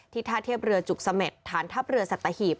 ท่าเทียบเรือจุกเสม็ดฐานทัพเรือสัตหีบ